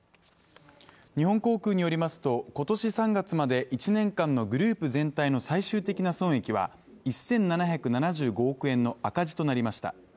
日本航空によりますと今年３月まで１年間のグループ全体の最終的な損益は１７７５億円の赤字となりました。